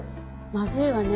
まずいわね。